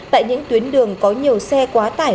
tại những tuyến đường có nhiều xe quá tải